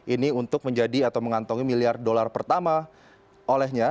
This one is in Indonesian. ini untuk menjadi atau mengantongi miliar dolar pertama olehnya